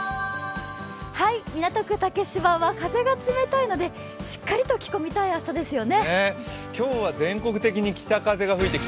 港区竹芝は風が冷たいのでしっかりと着込みたい朝ですよね。